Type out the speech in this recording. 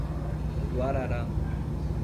Guarará